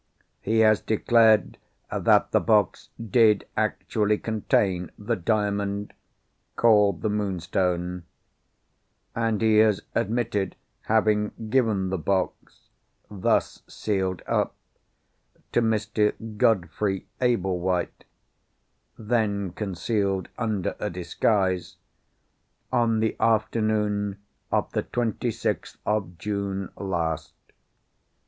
He has declared that the box did actually contain the diamond, called the Moonstone; and he has admitted having given the box (thus sealed up) to Mr. Godfrey Ablewhite (then concealed under a disguise), on the afternoon of the twenty sixth of June last.